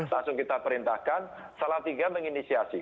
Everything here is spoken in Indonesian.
langsung kita perintahkan salatiga menginisiasi